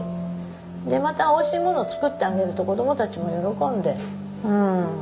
でまた美味しいものを作ってあげると子どもたちも喜んでうん。